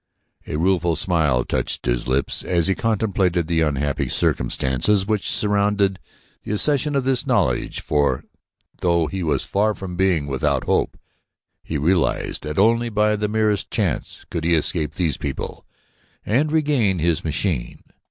A rueful smile touched his lips as he contemplated the unhappy circumstances which surrounded the accession of this knowledge for though he was far from being without hope, he realized that only by the merest chance could he escape these people and regain his machine.